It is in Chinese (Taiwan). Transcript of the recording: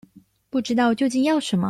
不知道究竟要什麼